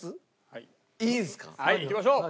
はいいきましょう！